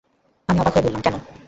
আমি অবাক হয়ে বললাম, কেন?